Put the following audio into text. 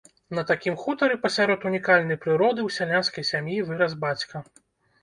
На такім хутары пасярод унікальнай прыроды ў сялянскай сям'і вырас бацька.